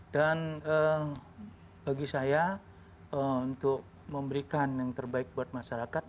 dan bagi saya untuk memberikan yang terbaik buat masyarakat